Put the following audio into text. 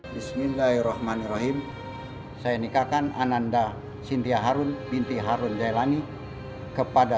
bismillahirrahmanirrahim saya nikahkan ananda sindia harun binti harun jailani kepada